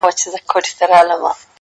بېغمه غمه د هغې راته راوبهيدې;